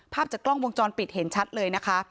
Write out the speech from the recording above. ภาพจากกล้องวงจรปิดเห็นชัดเลยนะคะ